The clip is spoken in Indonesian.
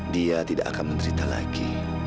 dia tidak akan menderita lagi